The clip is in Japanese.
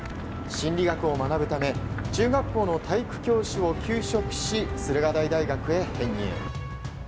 心理学を学ぶため中学校の体育教師を休職し駿河台大学へ編入。